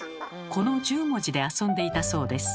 この１０文字で遊んでいたそうです。